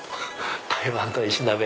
台湾の石鍋。